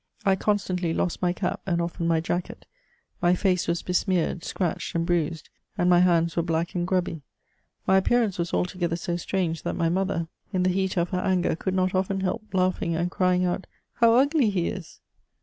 I constantly lost my cap, and often my jacket. My face was besmeared, scratched, and bruised ; and my hands were black and grubby. My appear ance was altogether so strange, that my mother, in the heat of F 2 68 MEMOIRS OF her anger, could not often help laughing and crying out :•* How ugly he is